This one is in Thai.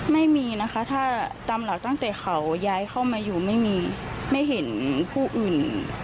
ไม่มีนะคะถ้าตามหลักตั้งแต่เขาย้ายเข้ามาอยู่ไม่มีไม่เห็นผู้อื่น